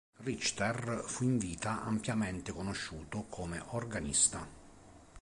Richter fu in vita ampiamente conosciuto come organista.